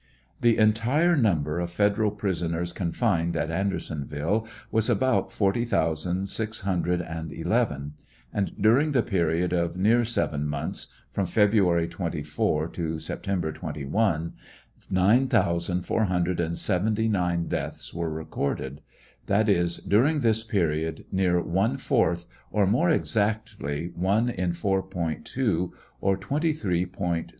The entire number of Federal prisoners confined at Anderson ville was about forty thousand six hundred and eleven; and during the period of near seven months, from February 24 to September 21, nine thousand four hundred and seventy nine (9,479) deaths were recorded; that is, during this period near one fourth, or more, exact REBEL TESTIMONY, 183 ly one in 4.2, or 23.